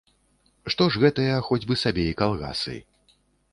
Што ж гэтыя, хоць бы сабе і калгасы.